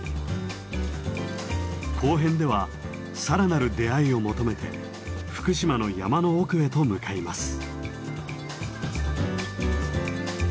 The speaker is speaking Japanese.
後編では更なる出会いを求めて福島の山の奥へと向かいます。